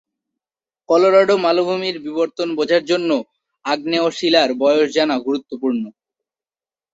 Colorado মালভূমির বিবর্তন বোঝার জন্য আগ্নেয় শিলার বয়স জানা গুরুত্বপূর্ণ।